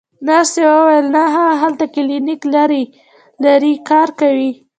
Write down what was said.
نرسې وویل: نه، هغه هلته کلینیک لري، کار کوي.